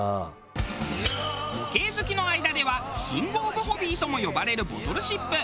模型好きの間ではキングオブホビーとも呼ばれるボトルシップ。